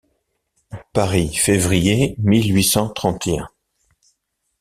Paris, février mille huit cent trente et un.